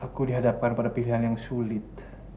aku dihadapkan pada pilihan yang sulit